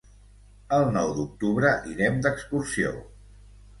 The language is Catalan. El nou d'octubre irem d'excursió.